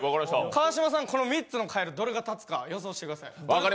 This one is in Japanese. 川島さん、この３つのかえるどれが立つか予想してください。